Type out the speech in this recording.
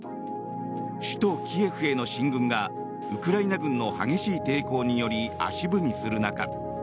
首都キエフへの進軍がウクライナ軍の激しい抵抗により足踏みする中